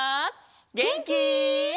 げんき？